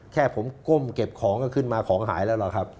แค่ผมก้มเก็บของก็ขึ้นมาของหายแล้วล่ะครับ